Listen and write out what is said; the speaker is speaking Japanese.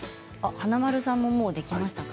華丸さんもできましたか？